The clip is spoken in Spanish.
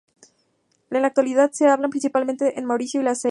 En la actualidad se habla principalmente en Mauricio y las Seychelles.